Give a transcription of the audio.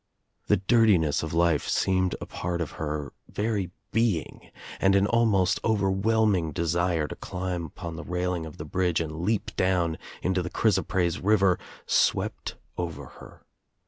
The dirtiness of life seemed a part of her very being and an almost overwhelming desire to climb upon the railing of the bridge and leap down into the chrys oprase river swept over her.